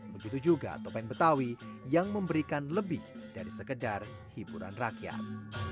begitu juga topeng betawi yang memberikan lebih dari sekedar hiburan rakyat